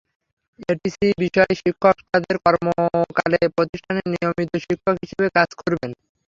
এসিটি বিষয় শিক্ষক তাঁদের কর্মকালে প্রতিষ্ঠানের নিয়মিত শিক্ষক হিসেবে কাজ করবেন।